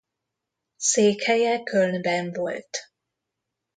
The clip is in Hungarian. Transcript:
Székhelye Kölnben volt.